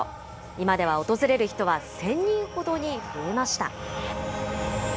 今では訪れる人は１０００人ほどに増えました。